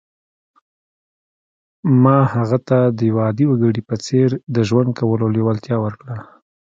ما هغه ته د یوه عادي وګړي په څېر د ژوند کولو لېوالتیا ورکړه